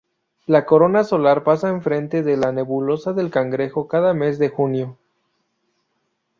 La corona solar pasa enfrente de la nebulosa del Cangrejo cada mes de junio.